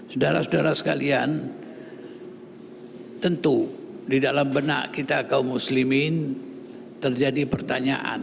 saudara saudara sekalian tentu di dalam benak kita kaum muslimin terjadi pertanyaan